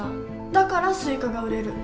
だからスイカが売れる。